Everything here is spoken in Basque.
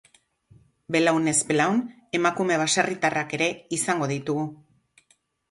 Belaunez belaun, emakume baserritarrak ere izango ditugu.